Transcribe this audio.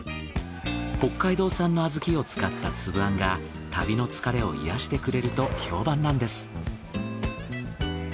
北海道産の小豆を使ったつぶあんが旅の疲れを癒やしてくれると評判なんです。